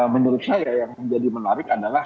menurut saya yang menjadi menarik adalah